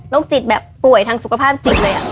จิตแบบป่วยทางสุขภาพจิตเลย